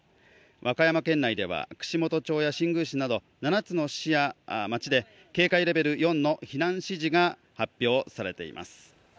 和歌山県内では串本町や新宮市など７つの市や町で警戒レベル４の避難指示が発表されています。